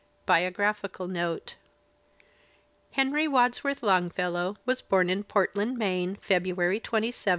BIOGRAPHICAL NOTE Henry Wadsworth Longfellow was bom in Portland, Maine, February 27, 1807.